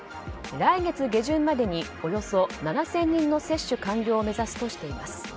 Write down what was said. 来月下旬までにおよそ７０００人の接種完了を目指すとしています。